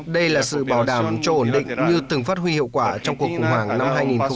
đây là sự bảo đảm cho ổn định như từng phát huy hiệu quả trong cuộc khủng hoảng năm hai nghìn tám